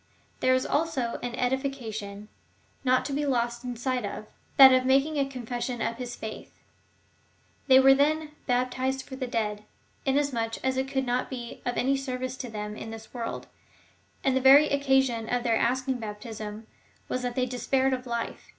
There is also an edification, not to be lost sight of — that of making a confession of his faith. They were, then, hai^tized for the dead, inasmuch as it could not be of any service to them in this world, and the very occasion of their asking baptism was that they despaired of life.